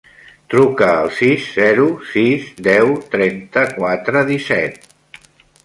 Truca al sis, zero, sis, deu, trenta-quatre, disset.